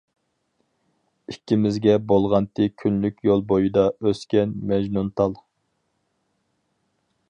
ئىككىمىزگە بولغانتى كۈنلۈك يول بويىدا ئۆسكەن مەجنۇنتال.